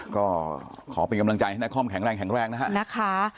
ก็ขอเป็นกำลังใจให้นักความแข็งแรงนะครับ